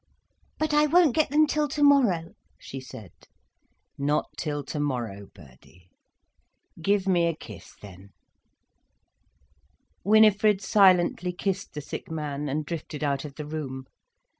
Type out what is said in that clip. "But I won't get them till tomorrow," she said. "Not till tomorrow, Birdie. Give me a kiss then—" Winifred silently kissed the sick man, and drifted out of the room.